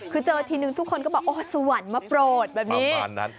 คือเจอทีนึงทุกคนก็บอกโอ้สวรรค์มาโปรดแบบนี้